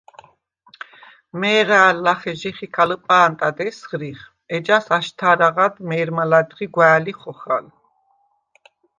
მე̄რა̄̈ლ ლახე ჟიხიქა ლჷპა̄ნტად ესღრიხ, ეჯას აშთა̄რაღად მე̄რმა ლა̈დღი გვა̄̈ლი ხოხალ.